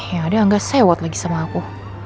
yaudah nggak sewot lagi sama aku